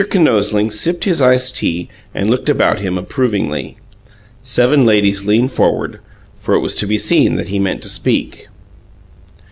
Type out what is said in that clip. Kinosling sipped his iced tea and looked about, him approvingly. Seven ladies leaned forward, for it was to be seen that he meant to speak.